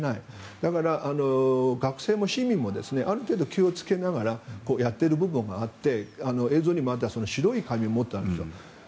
だから、学生も市民もある程度、気をつけながらやっている部分があって映像にもあった白い紙を持っているでしょ。